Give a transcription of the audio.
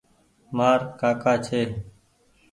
مآر ڪآڪآ ڇي۔